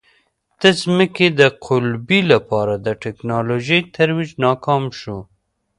د ځمکې د قُلبې لپاره د ټکنالوژۍ ترویج ناکام شو.